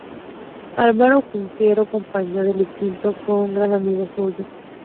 Álvaro Cunqueiro, compañero de instituto, fue un gran amigo suyo.